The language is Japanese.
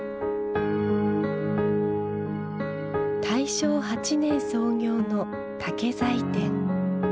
大正８年創業の竹材店。